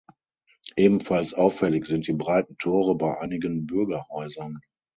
Ebenfalls auffällig sind die breiten Tore bei einigen Bürgerhäusern.